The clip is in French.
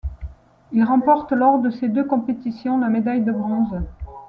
Il remporte lors de ces deux compétitions la médaille de bronze.